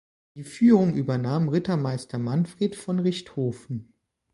Die Führung übernahm Rittmeister Manfred von Richthofen.